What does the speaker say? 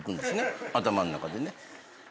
頭の中でね。